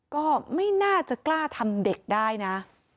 ก็ไม่น่าจะกล้าทำเด็กได้นะ